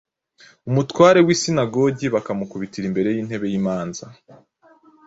umutware w’isinagogi, bamukubitira imbere y’intebe y’imanza.